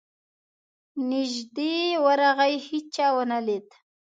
نیژدې ورغی هېچا ونه لید.